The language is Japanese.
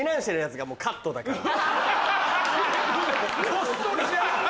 ごっそりじゃん！